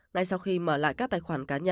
ngay sau khi mở lại các tài khoản cá nhân